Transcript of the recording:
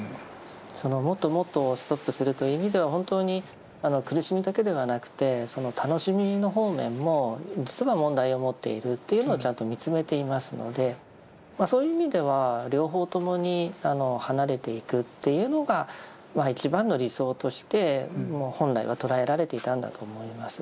そのもっともっとをストップするという意味では本当に苦しみだけではなくて楽しみの方面も実は問題を持っているというのをちゃんと見つめていますのでそういう意味では両方ともに離れていくというのが一番の理想として本来は捉えられていたんだと思います。